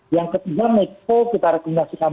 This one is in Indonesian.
yang ketiga meko kita rekomendasikan